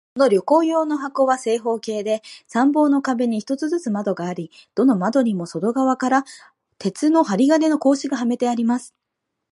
この旅行用の箱は、正方形で、三方の壁に一つずつ窓があり、どの窓にも外側から鉄の針金の格子がはめてあります。